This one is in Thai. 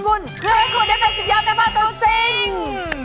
คือคุณได้เป็นสุดยอดแม่งพ่อตัวจริง